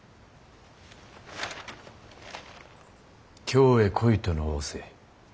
京へ来いとの仰せ。